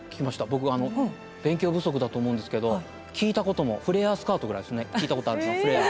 僕勉強不足だと思うんですけど聞いたこともフレアスカートぐらいですね聞いたことあるのフレア。